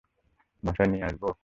বাসায় দিয়ে আসবো?